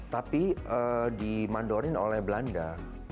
tapi dimandorin oleh belanda